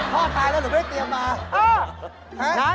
พ่อตายแล้วหรือไม่ได้เตรียมมา